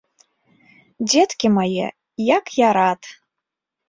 Дзеткі мае, як я рад!